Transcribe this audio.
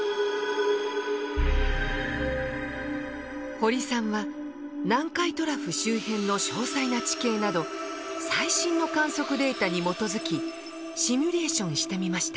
堀さんは南海トラフ周辺の詳細な地形など最新の観測データに基づきシミュレーションしてみました。